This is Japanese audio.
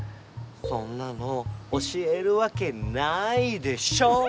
そんなの教えるわけないでしょ！